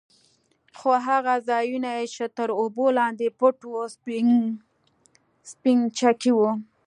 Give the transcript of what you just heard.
خو هغه ځايونه يې چې تر اوبو لاندې پټ وو سپينچکي وو.